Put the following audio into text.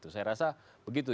saya rasa begitu